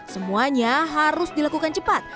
semuanya harus dilakukan cepat